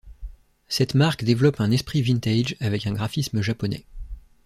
Cette marque développe un esprit vintage avec un graphisme japonais.